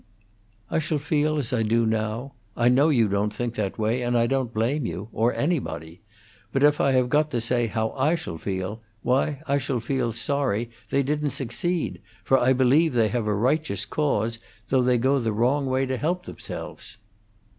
"I shall feel as I do now. I know you don't think that way, and I don't blame you or anybody. But if I have got to say how I shall feel, why, I shall feel sorry they didn't succeed, for I believe they have a righteous cause, though they go the wrong way to help themselves."